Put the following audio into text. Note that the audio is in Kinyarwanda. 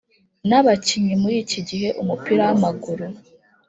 n’abakinnyi muri iki gihe umupira w’amaguru